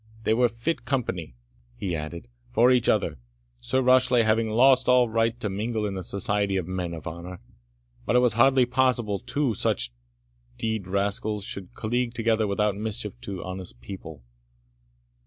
They were fit company," he added, "for each other, Sir Rashleigh having lost all right to mingle in the society of men of honour; but it was hardly possible two such d d rascals should collogue together without mischief to honest people."